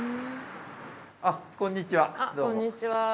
あっこんにちは。